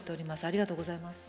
ありがとうございます。